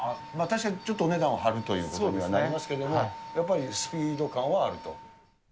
確かにちょっとお値段は張るということにはなりますけれども、やっぱりスピード感はあると。